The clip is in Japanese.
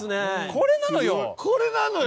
これなのよ！